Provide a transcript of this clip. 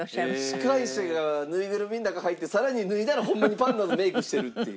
司会者がぬいぐるみの中入ってさらに脱いだらホンマにパンダのメイクしてるっていう。